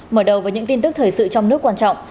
mở đầu với những tin tức thời sự trong nước quan trọng